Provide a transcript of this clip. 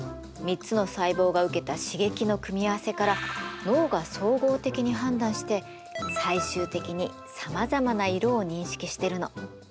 ３つの細胞が受けた刺激の組み合わせから脳が総合的に判断して最終的にさまざまな色を認識してるの。